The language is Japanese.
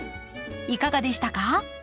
いかがでしたか？